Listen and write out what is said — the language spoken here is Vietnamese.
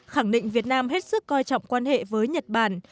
khẳng định việt nam hết sức coi trọng quan hệ với nhật bản